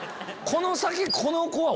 この先この子は。